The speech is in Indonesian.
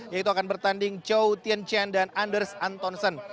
yaitu akan bertanding chou tianchen dan anders antonsen